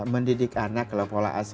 mendidik anak kalau pola asi